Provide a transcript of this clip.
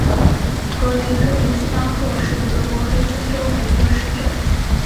格雷芬维斯巴赫是德国黑森州的一个市镇。